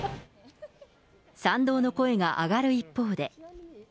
賛同の声が上がる一方で。